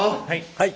はい！